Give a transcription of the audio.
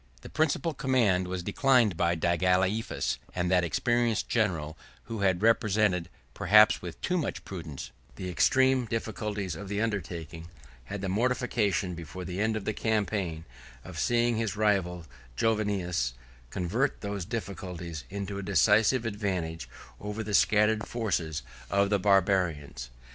89 The principal command was declined by Dagalaiphus; and that experienced general, who had represented, perhaps with too much prudence, the extreme difficulties of the undertaking, had the mortification, before the end of the campaign, of seeing his rival Jovinus convert those difficulties into a decisive advantage over the scattered forces of the Barbarians.